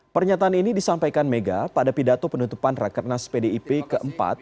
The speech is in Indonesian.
pernyataan ini disampaikan mega pada pidato penutupan rakernas pdip keempat